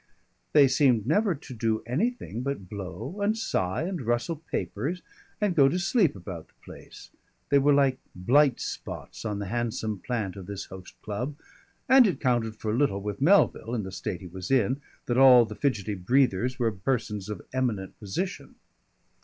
They seemed never to do anything but blow and sigh and rustle papers and go to sleep about the place; they were like blight spots on the handsome plant of this host club, and it counted for little with Melville, in the state he was in, that all the fidgety breathers were persons of eminent position.